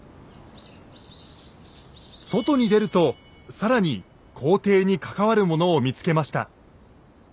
外に出ると更に皇帝に関わるものを見つけました。